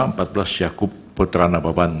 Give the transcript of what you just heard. empat belas yaakub putra nabawan